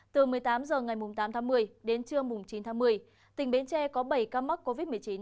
từ một mươi tám giờ ngày tám một mươi đến trưa chín một mươi tỉnh bến tre có bảy ca mắc covid một mươi chín